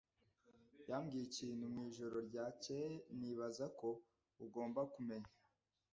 yambwiye ikintu mu ijoro ryakeye nibaza ko ugomba kumenya.